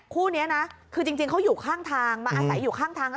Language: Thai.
คู่นี้นะคือจริงเขาอยู่ข้างทางมาอาศัยอยู่ข้างทางแล้ว